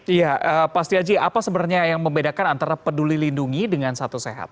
iya pak setiaji apa sebenarnya yang membedakan antara peduli lindungi dengan satu sehat